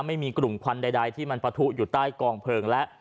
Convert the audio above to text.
ไม่มีกลุ่มควันใดที่มันปะทุอยู่ใต้กองเพลิงและ